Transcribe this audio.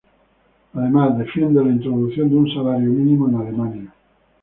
Además, defiende la introducción de un salario mínimo en Alemania.